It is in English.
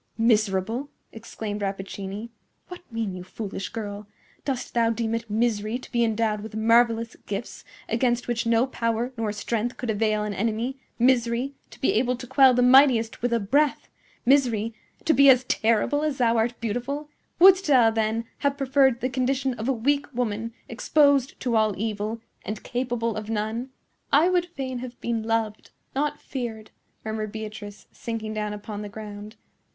"Miserable!" exclaimed Rappaccini. "What mean you, foolish girl? Dost thou deem it misery to be endowed with marvellous gifts against which no power nor strength could avail an enemy—misery, to be able to quell the mightiest with a breath—misery, to be as terrible as thou art beautiful? Wouldst thou, then, have preferred the condition of a weak woman, exposed to all evil and capable of none?" "I would fain have been loved, not feared," murmured Beatrice, sinking down upon the ground.